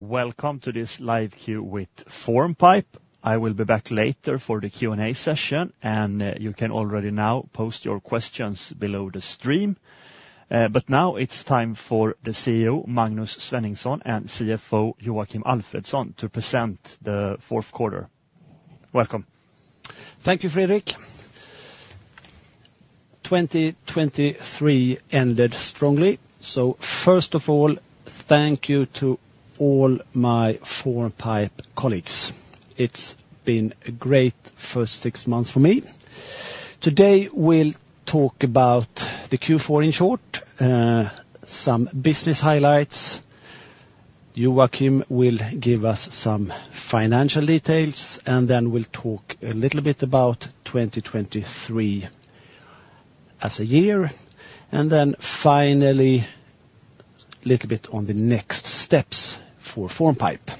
Welcome to this live Q&A with Formpipe. I will be back later for the Q&A session, and you can already now post your questions below the stream. But now it's time for the CEO Magnus Svenningsson and CFO Joakim Alfredsson to present the fourth quarter. Welcome. Thank you, Fredrik. 2023 ended strongly, so first of all, thank you to all my Formpipe colleagues. It's been a great first six months for me. Today we'll talk about the Q4 in short, some business highlights, Joakim will give us some financial details, and then we'll talk a little bit about 2023 as a year, and then finally a little bit on the next steps for Formpipe.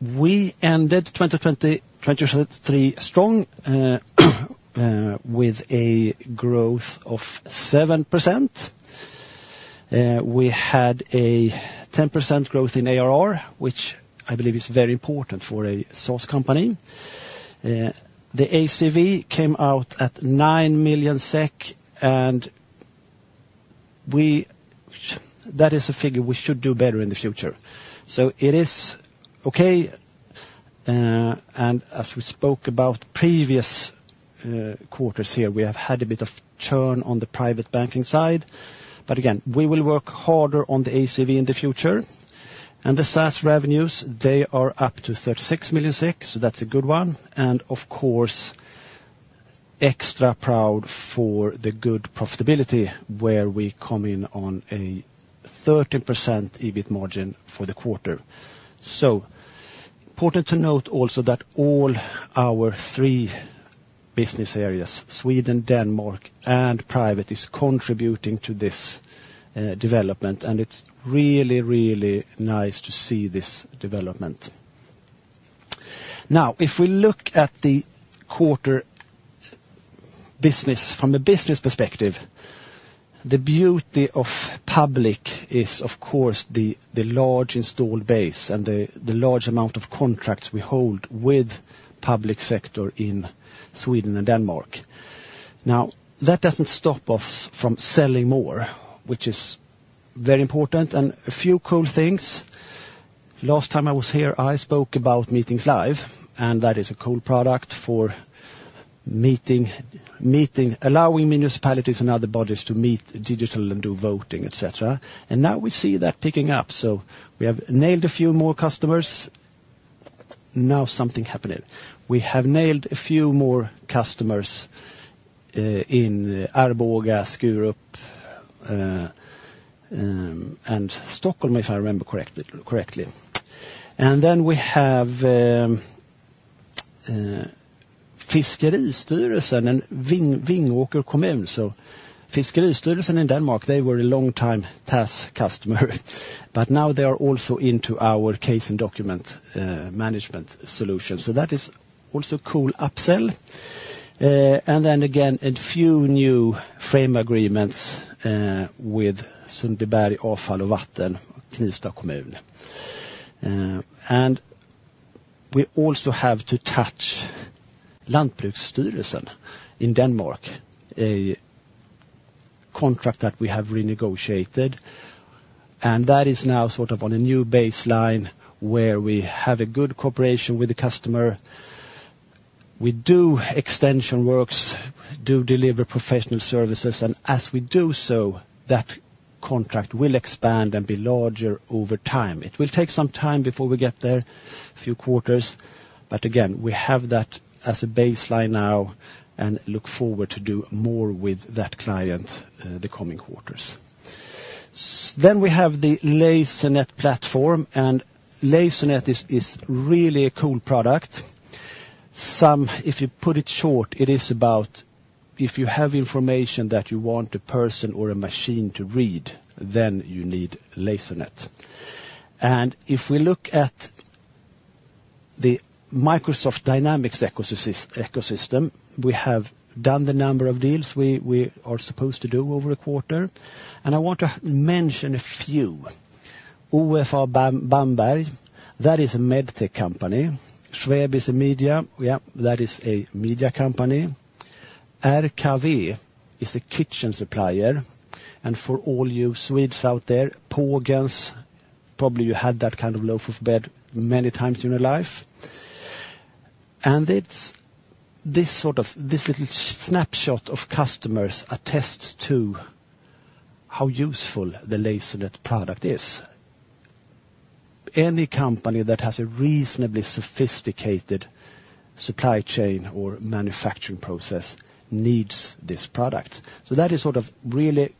We ended 2023 strong with a growth of 7%. We had a 10% growth in ARR, which I believe is very important for a SaaS company. The ACV came out at 9 million SEK, and that is a figure we should do better in the future. So it is okay, and as we spoke about previous quarters here, we have had a bit of churn on the private banking side. But again, we will work harder on the ACV in the future, and the SaaS revenues, they are up to 36 million, so that's a good one, and of course extra proud for the good profitability where we come in on a 13% EBIT margin for the quarter. Important to note also that all our three business areas, Sweden, Denmark, and Private, is contributing to this development, and it's really, really nice to see this development. Now, if we look at the quarter business from a business perspective, the beauty of public is of course the large installed base and the large amount of contracts we hold with the public sector in Sweden and Denmark. Now, that doesn't stop us from selling more, which is very important, and a few cool things. Last time I was here, I spoke about Meetings Live, and that is a cool product for allowing municipalities and other bodies to meet digitally and do voting, etc. And now we see that picking up, so we have nailed a few more customers. Now something happened. We have nailed a few more customers in Arboga, Skurup, and Stockholm, if I remember correctly. And then we have Fiskeristyrelsen, a Vingåker kommun, so Fiskeristyrelsen in Denmark, they were a long-time TAS customer, but now they are also into our case and document management solution, so that is also cool, upsell. And then again, a few new frame agreements with Sundbyberg Avfall och Vatten, Knivsta kommun. And we also have to touch Landbrugsstyrelsen in Denmark, a contract that we have renegotiated, and that is now sort of on a new baseline where we have a good cooperation with the customer. We do extension works, do deliver professional services, and as we do so, that contract will expand and be larger over time. It will take some time before we get there, a few quarters, but again, we have that as a baseline now and look forward to doing more with that client the coming quarters. Then we have the Lasernet platform, and Lasernet is really a cool product. If you put it short, it is about if you have information that you want a person or a machine to read, then you need Lasernet. And if we look at the Microsoft Dynamics ecosystem, we have done the number of deals we are supposed to do over a quarter, and I want to mention a few. OFA Bamberg, that is a medtech company. Schwäbische Media, yeah, that is a media company. RKW is a kitchen supplier, and for all you Swedes out there, Pågens, probably you had that kind of loaf of bread many times in your life. This sort of little snapshot of customers attests to how useful the Lasernet product is. Any company that has a reasonably sophisticated supply chain or manufacturing process needs this product, so that is sort of really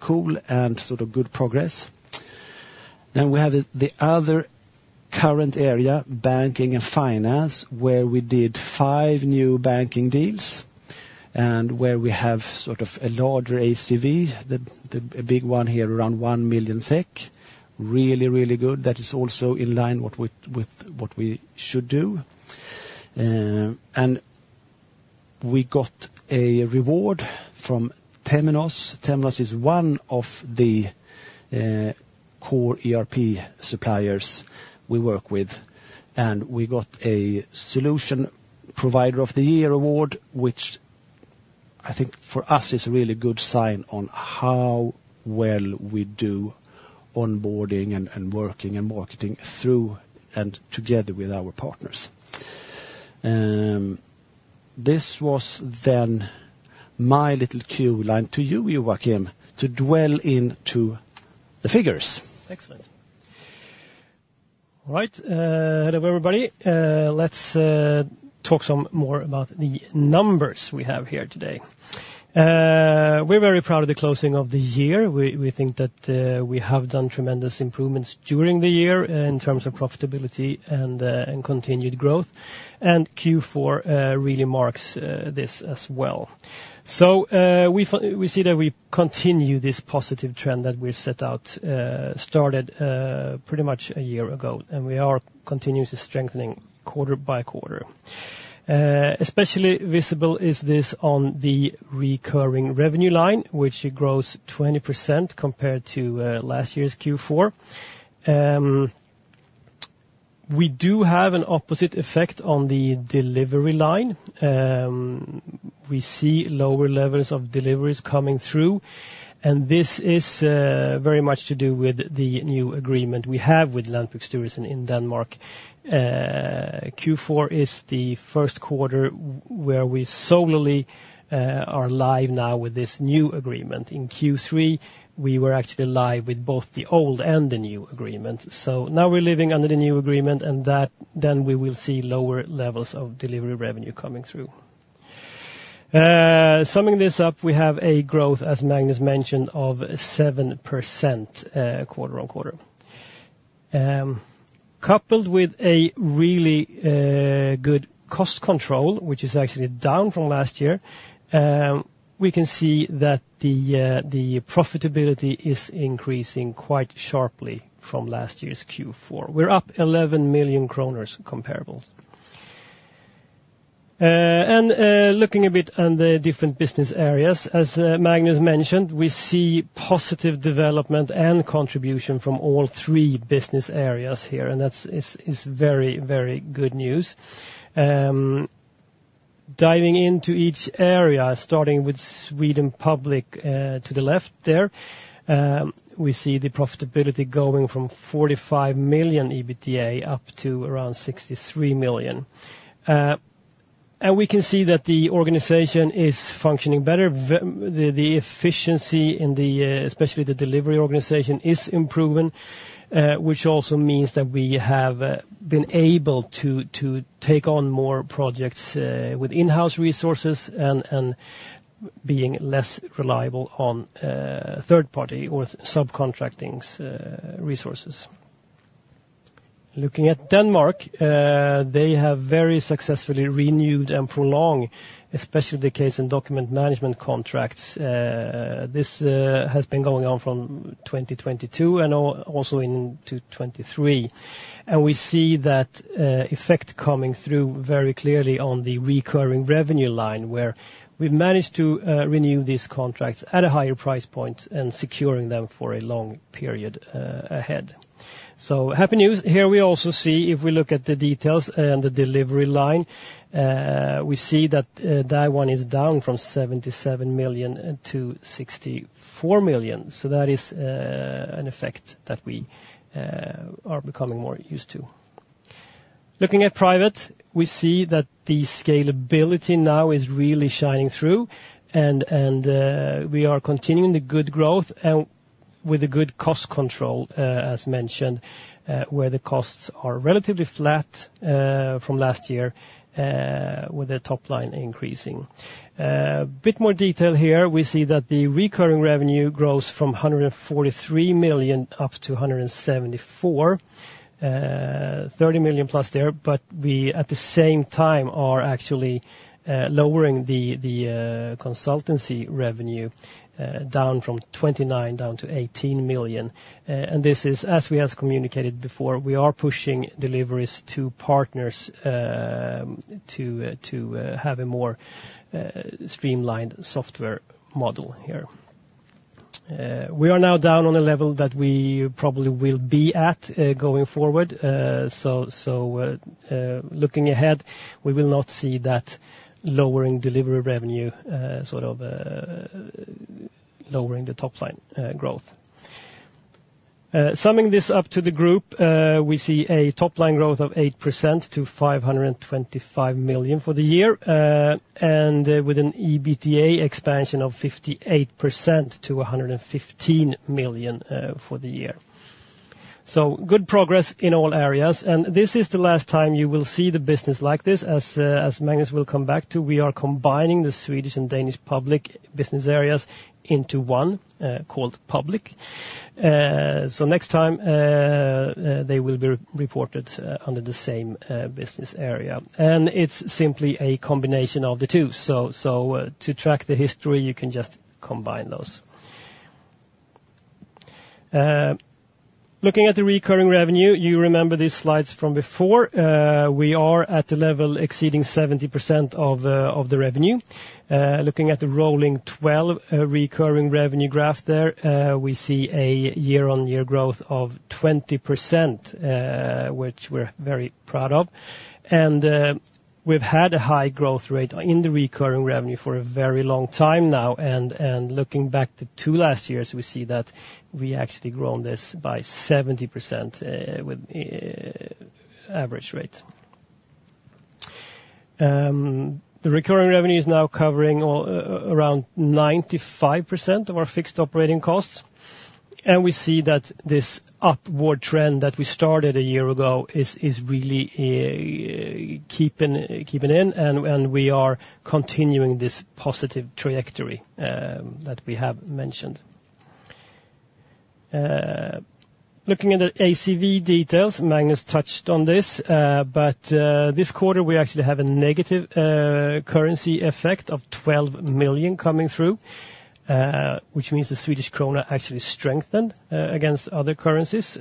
cool and sort of good progress. We have the other current area, banking and finance, where we did five new banking deals and where we have sort of a larger ACV, a big one here around 1 million SEK, really, really good, that is also in line with what we should do. And we got a reward from Temenos. Temenos is one of the core ERP suppliers we work with, and we got a Solution Provider of the Year award, which I think for us is a really good sign on how well we do onboarding and working and marketing through and together with our partners. This was then my little cue line to you, Joakim, to dwell into the figures. Excellent. All right, hello everybody. Let's talk some more about the numbers we have here today. We're very proud of the closing of the year. We think that we have done tremendous improvements during the year in terms of profitability and continued growth, and Q4 really marks this as well. We see that we continue this positive trend that we started pretty much a year ago, and we are continuously strengthening quarter-by-quarter. Especially visible is this on the recurring revenue line, which grows 20% compared to last year's Q4. We do have an opposite effect on the delivery line. We see lower levels of deliveries coming through, and this is very much to do with the new agreement we have with Landbrugsstyrelsen in Denmark. Q4 is the Q1 where we solely are live now with this new agreement. In Q3, we were actually live with both the old and the new agreement, so now we're living under the new agreement, and then we will see lower levels of delivery revenue coming through. Summing this up, we have a growth, as Magnus mentioned, of 7% quarter-on-quarter. Coupled with a really good cost control, which is actually down from last year, we can see that the profitability is increasing quite sharply from last year's Q4. We're up 11 million kronor comparable. Looking a bit on the different business areas, as Magnus mentioned, we see positive development and contribution from all three business areas here, and that is very, very good news. Diving into each area, starting with Sweden Public to the left there, we see the profitability going from 45 million EBITDA up to around 63 million. We can see that the organization is functioning better. The efficiency, especially the delivery organization, is improving, which also means that we have been able to take on more projects with in-house resources and being less reliable on third-party or subcontracting resources. Looking at Denmark, they have very successfully renewed and prolonged, especially the case and document management contracts. This has been going on from 2022 and also into 2023, and we see that effect coming through very clearly on the recurring revenue line where we managed to renew these contracts at a higher price point and securing them for a long period ahead. So happy news. Here we also see, if we look at the details and the delivery line, we see that that one is down from 77 million to 64 million, so that is an effect that we are becoming more used to. Looking at private, we see that the scalability now is really shining through, and we are continuing the good growth with a good cost control, as mentioned, where the costs are relatively flat from last year with the top line increasing. A bit more detail here, we see that the recurring revenue grows from 143 million up to 174 million, 30 million plus there, but we at the same time are actually lowering the consultancy revenue down from 29 million down to 18 million. This is, as we have communicated before, we are pushing deliveries to partners to have a more streamlined software model here. We are now down on a level that we probably will be at going forward, so looking ahead, we will not see that lowering delivery revenue sort of lowering the top line growth. Summing this up to the group, we see a top-line growth of 8% to 525 million for the year and with an EBITDA expansion of 58% to 115 million for the year. Good progress in all areas, and this is the last time you will see the business like this, as Magnus will come back to. We are combining the Swedish and Danish public business areas into one called Public, so next time they will be reported under the same business area, and it's simply a combination of the two, so to track the history, you can just combine those. Looking at the recurring revenue, you remember these slides from before, we are at a level exceeding 70% of the revenue. Looking at the rolling 12 recurring revenue graph there, we see a year-on-year growth of 20%, which we're very proud of, and we've had a high growth rate in the recurring revenue for a very long time now, and looking back to two last years, we see that we actually grown this by 70% with average rate. The recurring revenue is now covering around 95% of our fixed operating costs, and we see that this upward trend that we started a year ago is really keeping in, and we are continuing this positive trajectory that we have mentioned. Looking at the ACV details, Magnus touched on this, but this quarter we actually have a negative currency effect of 12 million coming through, which means the Swedish krona actually strengthened against other currencies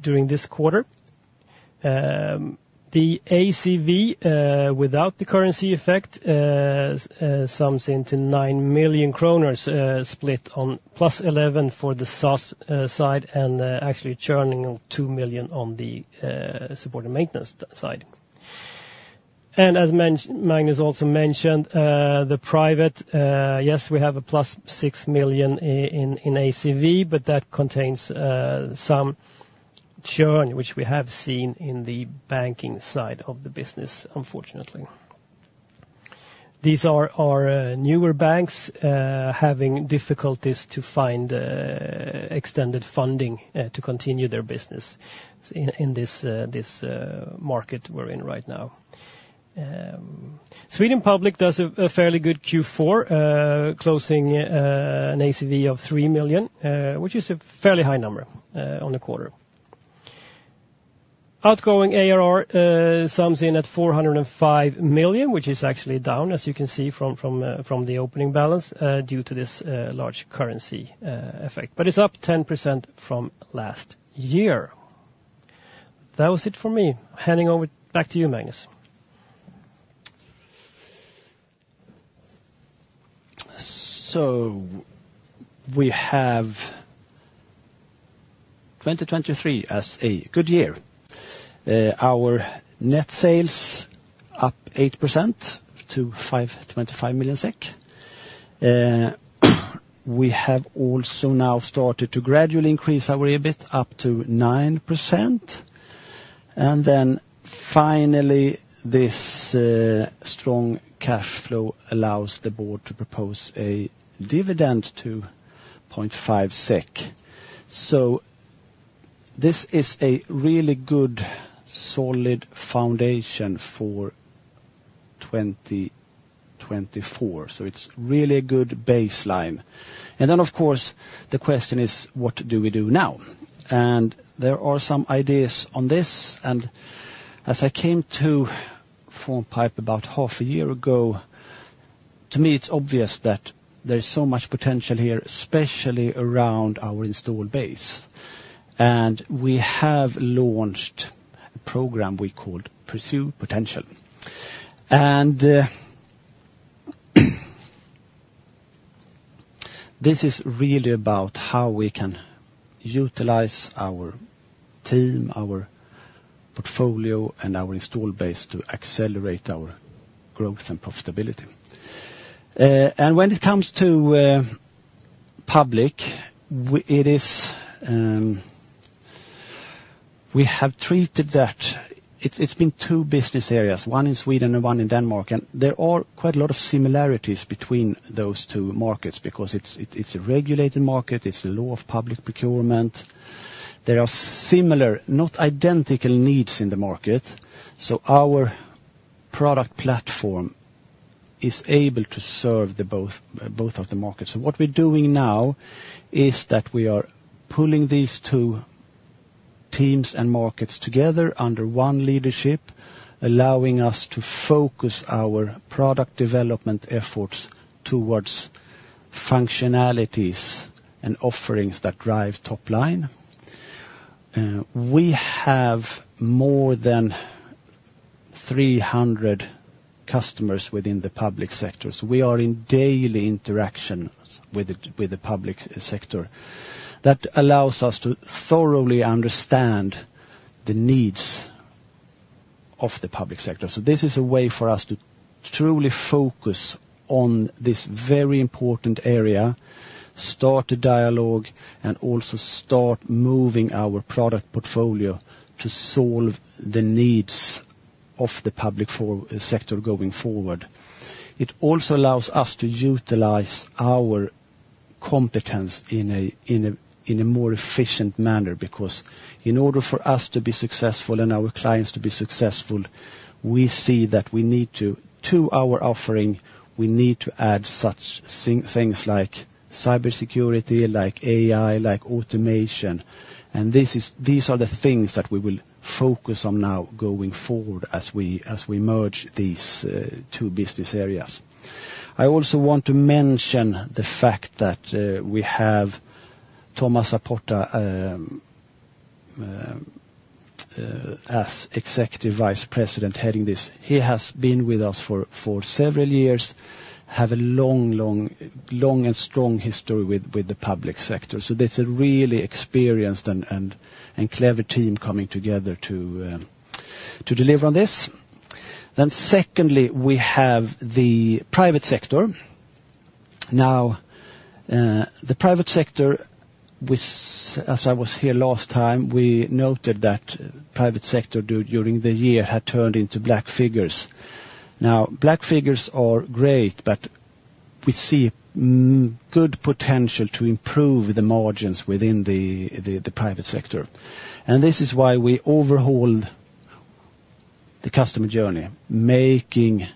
during this quarter. The ACV without the currency effect sums into 9 million kronor split on +11 for the SaaS side and actually churning 2 million on the support and maintenance side. As Magnus also mentioned, the Private, yes, we have a +6 million in ACV, but that contains some churn, which we have seen in the banking side of the business, unfortunately. These are newer banks having difficulties to find extended funding to continue their business in this market we're in right now. Sweden Public does a fairly good Q4, closing an ACV of 3 million, which is a fairly high number on a quarter. Outgoing ARR sums in at 405 million, which is actually down, as you can see from the opening balance due to this large currency effect, but it's up 10% from last year. That was it for me. Handing over back to you, Magnus. We have 2023 as a good year. Our net sales up 8% to 525 million SEK. We have also now started to gradually increase our EBIT up to 9%, and then finally this strong cash flow allows the board to propose a dividend to 0.5 SEK. This is a really good solid foundation for 2024, so it's really a good baseline. Then, of course, the question is what do we do now? There are some ideas on this, and as I came to Formpipe about half a year ago, to me it's obvious that there's so much potential here, especially around our installed base, and we have launched a program we called Pursue Potential. This is really about how we can utilize our team, our portfolio, and our installed base to accelerate our growth and profitability. When it comes to public, we have treated that it's been two business areas, one in Sweden and one in Denmark, and there are quite a lot of similarities between those two markets because it's a regulated market, it's a law of public procurement, there are similar, not identical needs in the market, so our product platform is able to serve both of the markets. What we're doing now is that we are pulling these two teams and markets together under one leadership, allowing us to focus our product development efforts towards functionalities and offerings that drive top line. We have more than 300 customers within the public sector, so we are in daily interaction with the public sector. That allows us to thoroughly understand the needs of the public sector, so this is a way for us to truly focus on this very important area, start a dialogue, and also start moving our product portfolio to solve the needs of the public sector going forward. It also allows us to utilize our competence in a more efficient manner because in order for us to be successful and our clients to be successful, we see that we need to our offering, we need to add such things like cybersecurity, like AI, like automation, and these are the things that we will focus on now going forward as we merge these two business areas. I also want to mention the fact that we have Thomas à Porta as Executive Vice President heading this. He has been with us for several years, has a long, long, long and strong history with the public sector, so it's a really experienced and clever team coming together to deliver on this. Then secondly, we have the private sector. Now, the private sector, as I was here last time, we noted that the private sector during the year had turned into black figures. Now, black figures are great, but we see good potential to improve the margins within the private sector, and this is why we overhauled the customer journey, making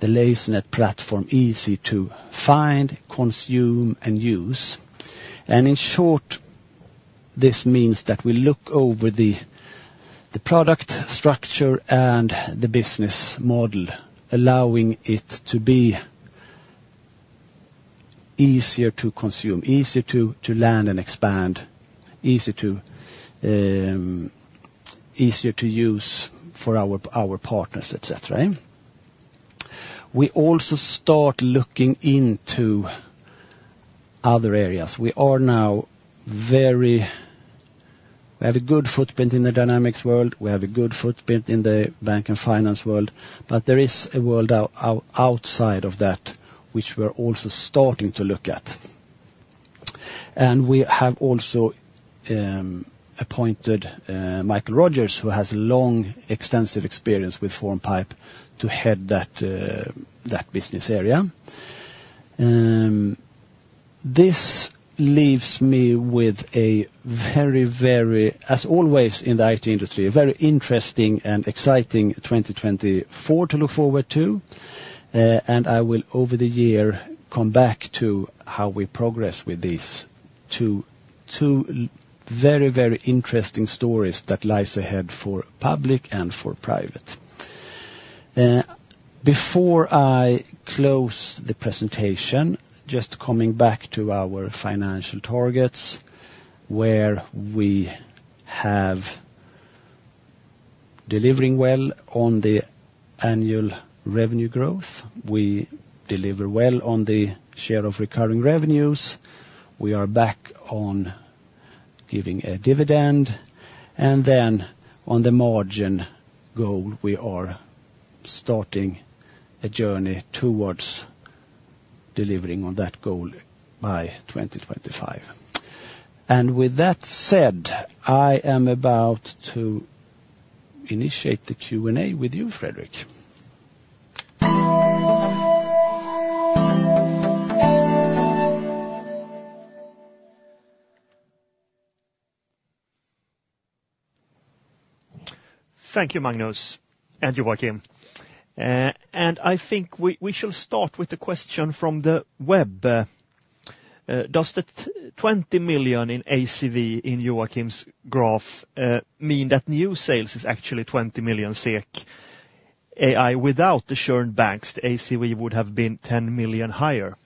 the Lasernet platform easy to find, consume, and use. In short, this means that we look over the product structure and the business model, allowing it to be easier to consume, easier to land and expand, easier to use for our partners, etc. We also start looking into other areas. We have a good footprint in the Dynamics world, we have a good footprint in the bank and finance world, but there is a world outside of that which we're also starting to look at. We have also appointed Michael Rogers, who has long, extensive experience with Formpipe, to head that business area. This leaves me with a very, very, as always in the IT industry, a very interesting and exciting 2024 to look forward to, and I will, over the year, come back to how we progress with these two very, very interesting stories that lie ahead for public and for private. Before I close the presentation, just coming back to our financial targets where we have delivering well on the annual revenue growth, we deliver well on the share of recurring revenues, we are back on giving a dividend, and then on the margin goal, we are starting a journey towards delivering on that goal by 2025. With that said, I am about to initiate the Q&A with you, Fredrik. Thank you, Magnus and Joakim. I think we shall start with the question from the web. Does the 20 million in ACV in Joakim's graph mean that new sales is actually 20 million AI without the churn banks? The ACV would have been 10 million higher.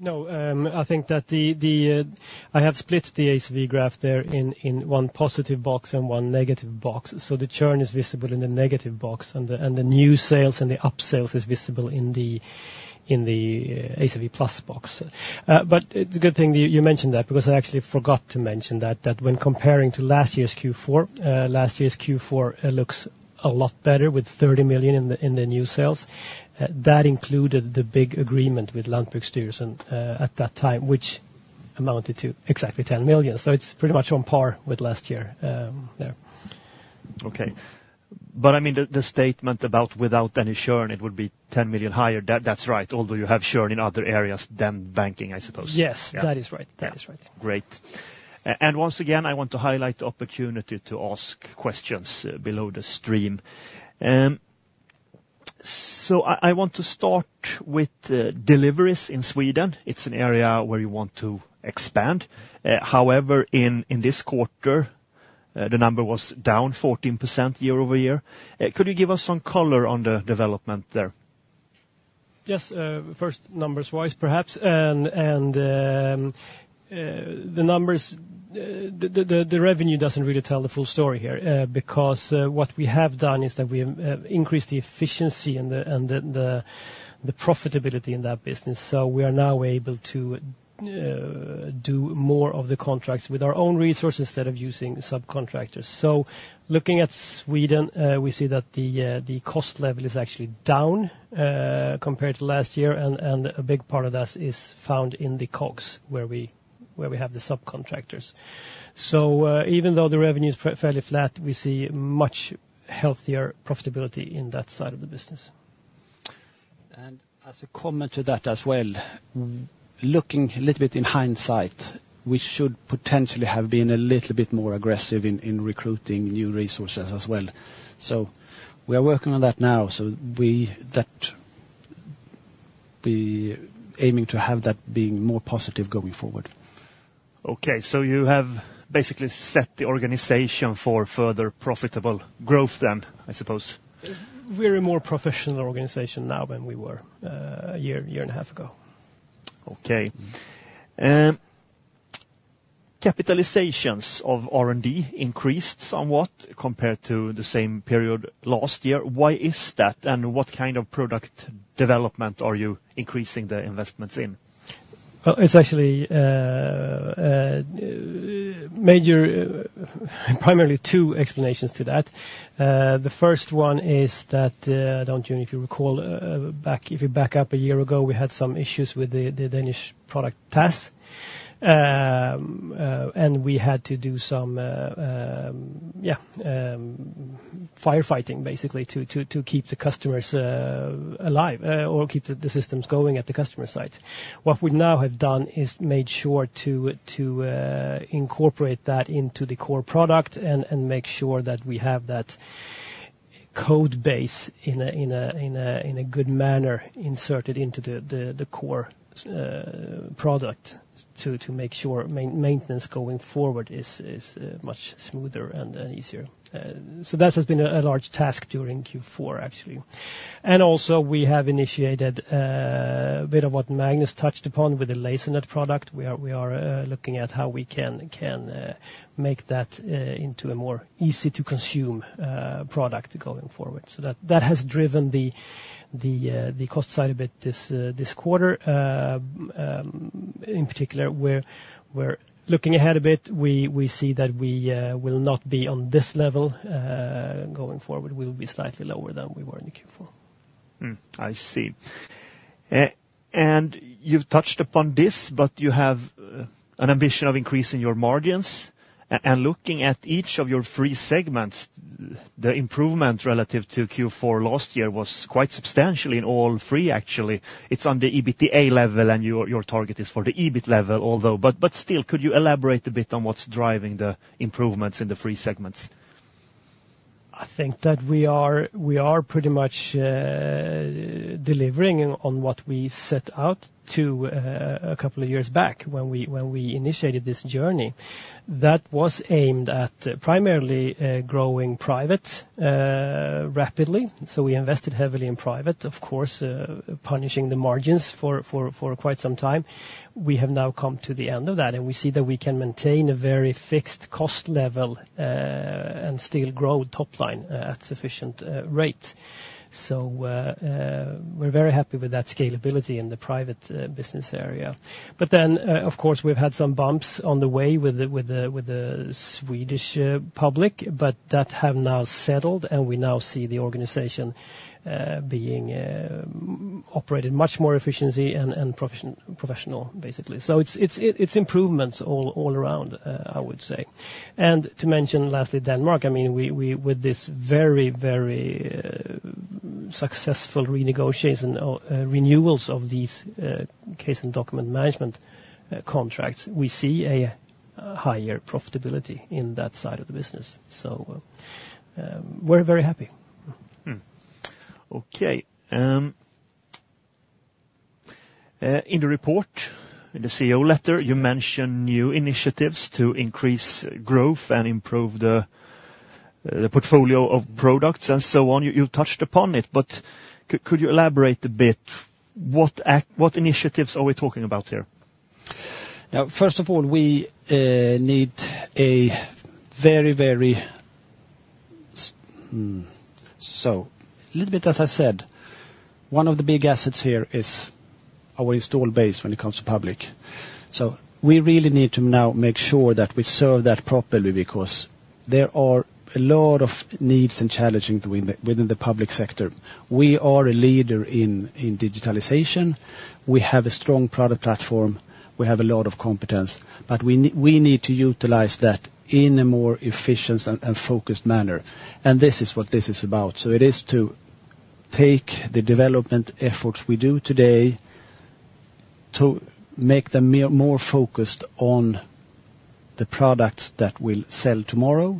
No, I think that the, I have split the ACV graph there in one positive box and one negative box, so the churn is visible in the negative box and the new sales and the upsales is visible in the ACV plus box. But it's a good thing you mentioned that because I actually forgot to mention that when comparing to last year's Q4, last year's Q4 looks a lot better with 30 million in the new sales. That included the big agreement with Landbrugsstyrelsen at that time, which amounted to exactly 10 million, so it's pretty much on par with last year there. OK, but I mean the statement about without any churn, it would be 10 million higher, that's right, although you have churn in other areas than banking, I suppose. Yes, that is right, that is right. Great. Once again, I want to highlight the opportunity to ask questions below the stream. I want to start with deliveries in Sweden, it's an area where you want to expand. However, in this quarter, the number was down 14% year-over-year. Could you give us some color on the development there? Yes, first numbers-wise perhaps, and the numbers, the revenue doesn't really tell the full story here because what we have done is that we have increased the efficiency and the profitability in that business, so we are now able to do more of the contracts with our own resources instead of using subcontractors. So looking at Sweden, we see that the cost level is actually down compared to last year, and a big part of that is found in the COGS where we have the subcontractors. Even though the revenue is fairly flat, we see much healthier profitability in that side of the business. As a comment to that as well, looking a little bit in hindsight, we should potentially have been a little bit more aggressive in recruiting new resources as well. We are working on that now, so we're aiming to have that being more positive going forward. OK, so you have basically set the organization for further profitable growth then, I suppose. We're a more professional organization now than we were a year, year and a half ago. OK. Capitalizations of R&D increased somewhat compared to the same period last year. Why is that, and what kind of product development are you increasing the investments in? Well, it's actually major, primarily two explanations to that. The first one is that, I don't know if you recall, if you back up a year ago, we had some issues with the Danish product TAS, and we had to do some, yeah, firefighting basically to keep the customers alive or keep the systems going at the customer sites. What we now have done is made sure to incorporate that into the core product and make sure that we have that code base in a good manner inserted into the core product to make sure maintenance going forward is much smoother and easier. That has been a large task during Q4 actually. Also we have initiated a bit of what Magnus touched upon with the Lasernet product. We are looking at how we can make that into a more easy-to-consume product going forward. That has driven the cost side a bit this quarter. In particular, we're looking ahead a bit, we see that we will not be on this level going forward, we'll be slightly lower than we were in Q4. I see. You've touched upon this, but you have an ambition of increasing your margins, and looking at each of your three segments, the improvement relative to Q4 last year was quite substantial in all three actually. It's on the EBITDA level and your target is for the EBIT level, although but still, could you elaborate a bit on what's driving the improvements in the three segments? I think that we are pretty much delivering on what we set out to a couple of years back when we initiated this journey. That was aimed at primarily growing private rapidly, so we invested heavily in private, of course, punishing the margins for quite some time. We have now come to the end of that, and we see that we can maintain a very fixed cost level and still grow top line at sufficient rates. We're very happy with that scalability in the private business area. But then, of course, we've had some bumps on the way with the Swedish public, but that have now settled, and we now see the organization being operated much more efficiently and professionally basically. It's improvements all around, I would say. To mention lastly, Denmark, I mean with this very, very successful renegotiation renewals of these case and document management contracts, we see a higher profitability in that side of the business. We're very happy. OK. In the report, in the CEO letter, you mention new initiatives to increase growth and improve the portfolio of products and so on, you've touched upon it, but could you elaborate a bit? What initiatives are we talking about here? Now, first of all, we need a very, very, so a little bit as I said, one of the big assets here is our install base when it comes to public. We really need to now make sure that we serve that properly because there are a lot of needs and challenges within the public sector. We are a leader in digitalization, we have a strong product platform, we have a lot of competence, but we need to utilize that in a more efficient and focused manner, and this is what this is about. It is to take the development efforts we do today to make them more focused on the products that we'll sell tomorrow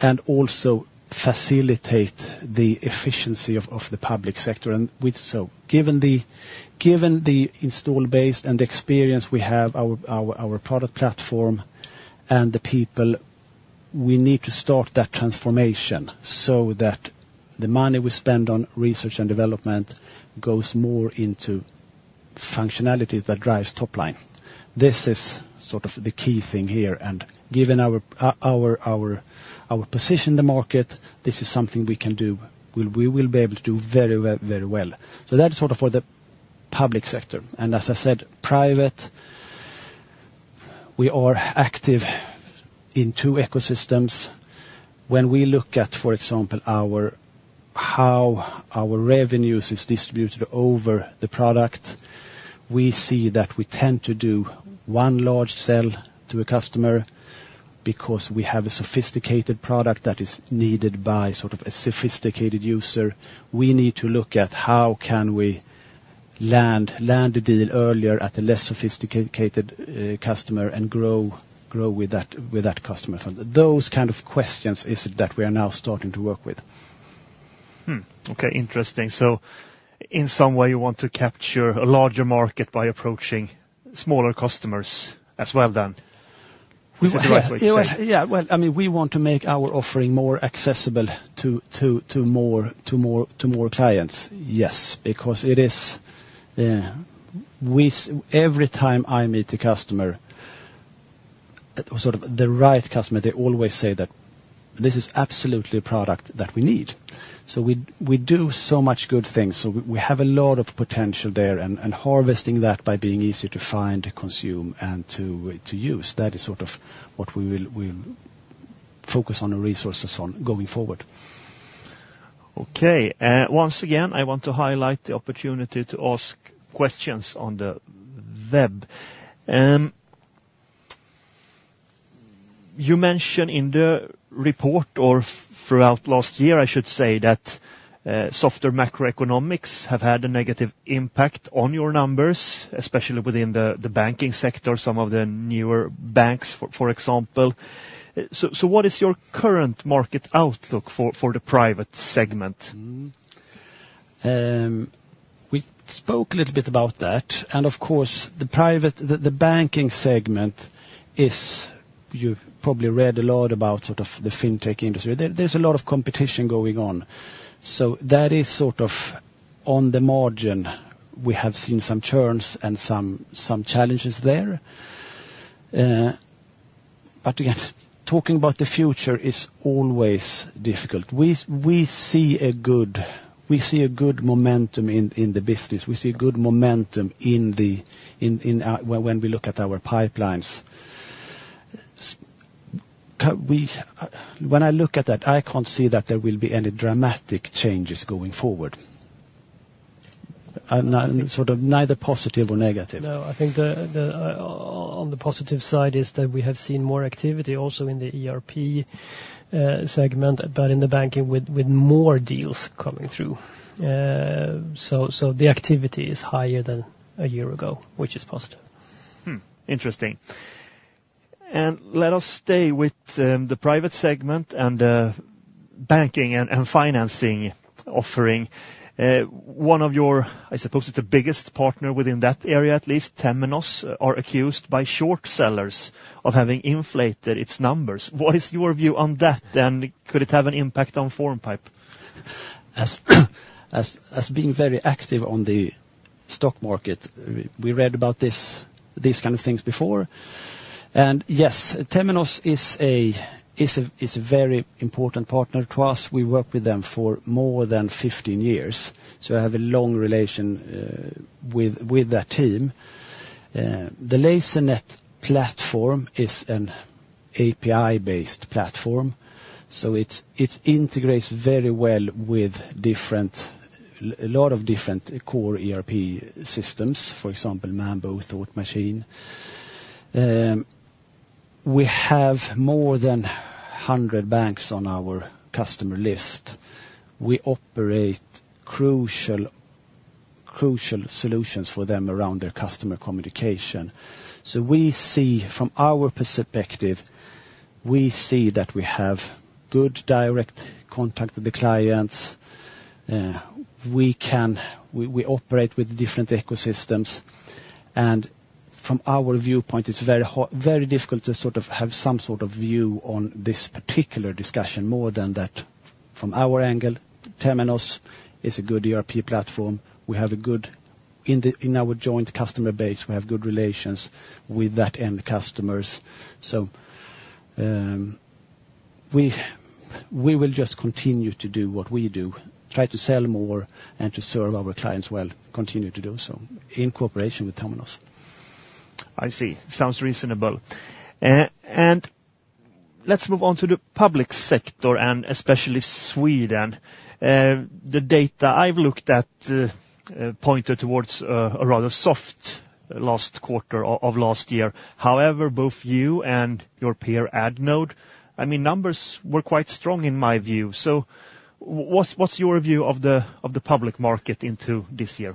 and also facilitate the efficiency of the public sector. Given the installed base and the experience we have, our product platform and the people, we need to start that transformation so that the money we spend on research and development goes more into functionalities that drive top line. This is sort of the key thing here, and given our position in the market, this is something we can do, we will be able to do very, very well. That's sort of for the public sector, and as I said, private, we are active in two ecosystems. When we look at, for example, how our revenues are distributed over the product, we see that we tend to do one large sell to a customer because we have a sophisticated product that is needed by sort of a sophisticated user. We need to look at how can we land the deal earlier at a less sophisticated customer and grow with that customer front. Those kind of questions is it that we are now starting to work with. OK, interesting. So in some way, you want to capture a larger market by approaching smaller customers as well then, is that the right way to say it? Yeah, well, I mean we want to make our offering more accessible to more clients, yes, because it is, every time I meet a customer, sort of the right customer, they always say that this is absolutely a product that we need. We do so much good things, so we have a lot of potential there, and harvesting that by being easy to find, to consume, and to use, that is sort of what we will focus on and resources on going forward. OK, once again, I want to highlight the opportunity to ask questions on the web. You mentioned in the report or throughout last year, I should say, that software macroeconomics have had a negative impact on your numbers, especially within the banking sector, some of the newer banks, for example. So what is your current market outlook for the private segment? We spoke a little bit about that, and of course, the banking segment is. You've probably read a lot about sort of the fintech industry. There's a lot of competition going on. That is sort of on the margin. We have seen some churns and some challenges there. But again, talking about the future is always difficult. We see a good, we see a good momentum in the business. We see a good momentum when we look at our pipelines. When I look at that, I can't see that there will be any dramatic changes going forward. Sort of neither positive nor negative. No, I think on the positive side is that we have seen more activity also in the ERP segment, but in the banking with more deals coming through. The activity is higher than a year ago, which is positive. Interesting. Let us stay with the private segment and banking and financing offering. One of your, I suppose it's the biggest partner within that area at least, Temenos, are accused by short sellers of having inflated its numbers. What is your view on that, and could it have an impact on Formpipe? As being very active on the stock market, we read about these kind of things before, and yes, Temenos is a very important partner to us. We work with them for more than 15 years, so I have a long relation with that team. The Lasernet platform is an API-based platform, so it integrates very well with a lot of different core ERP systems, for example, Mambu, Thought Machine. We have more than 100 banks on our customer list. We operate crucial solutions for them around their customer communication. We see, from our perspective, we see that we have good direct contact with the clients. We operate with different ecosystems, and from our viewpoint, it's very difficult to sort of have some sort of view on this particular discussion more than that. From our angle, Temenos is a good ERP platform. We have a good, in our joint customer base, we have good relations with that end customers. We will just continue to do what we do, try to sell more and to serve our clients well, continue to do so, in cooperation with Temenos. I see, sounds reasonable. Let's move on to the public sector and especially Sweden. The data I've looked at pointed towards a rather soft last quarter of last year. However, both you and your peer Adnode, I mean numbers were quite strong in my view. What's your view of the public market into this year?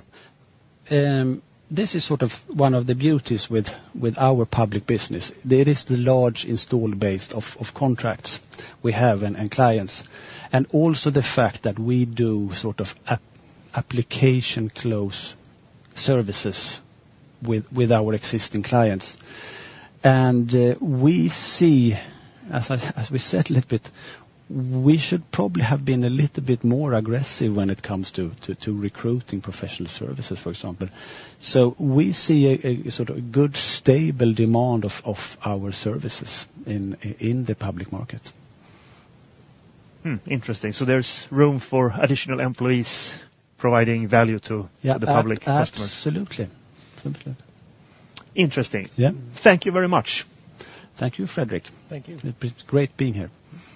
This is sort of one of the beauties with our public business. It is the large install base of contracts we have and clients, and also the fact that we do sort of application-close services with our existing clients. We see, as we said a little bit, we should probably have been a little bit more aggressive when it comes to recruiting professional services, for example. We see sort of good, stable demand of our services in the public market. Interesting, so there's room for additional employees providing value to the public customers. Absolutely. Interesting. Thank you very much. Thank you, Fredrik. Thank you. It's great being here.